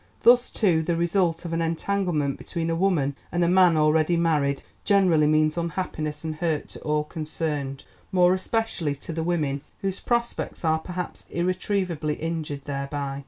Thus, too, the result of an entanglement between a woman and a man already married generally means unhappiness and hurt to all concerned, more especially to the woman, whose prospects are perhaps irretrievably injured thereby.